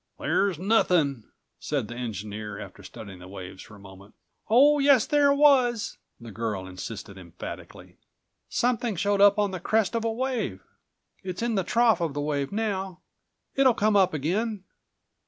"There's nothing," said the engineer after studying the waves for a moment. "Oh, yes there was!" the girl insisted emphatically. "Something showed up on the crest of a wave. It's in the trough of the wave now. It'll come up again."